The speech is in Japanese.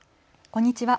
こんにちは。